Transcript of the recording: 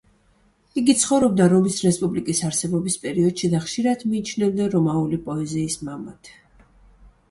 იგი ცხოვრობდა რომის რესპუბლიკის არსებობის პერიოდში და ხშირად მიიჩნევენ რომაული პოეზიის მამად.